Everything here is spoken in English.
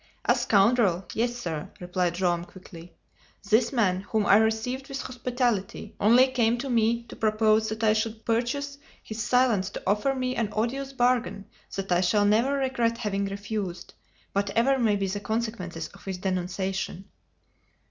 "A scoundrel! Yes, sir!" replied Joam quickly. "This man, whom I received with hospitality, only came to me to propose that I should purchase his silence to offer me an odious bargain that I shall never regret having refused, whatever may be the consequences of his denunciation!"